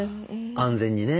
安全にね。